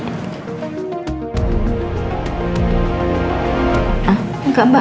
hah enggak mbak